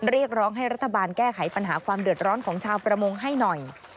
เรียกร้องให้รัฐบาลแก้ไขปัญหาความเดือดร้อนของชาวประมงให้หน่อย